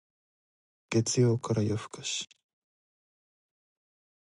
月曜から夜更かし